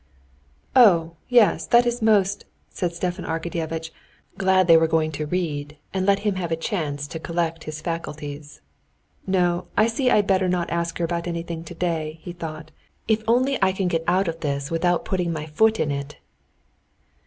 "Oh, yes, that is most...." said Stepan Arkadyevitch, glad they were going to read, and let him have a chance to collect his faculties. "No, I see I'd better not ask her about anything today," he thought. "If only I can get out of this without putting my foot in it!"